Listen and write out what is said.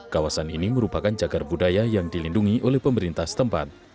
kawasan ini merupakan cagar budaya yang dilindungi oleh pemerintah setempat